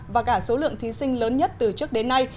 và cả số lượng thí sinh lớn nhất từ trước đến nay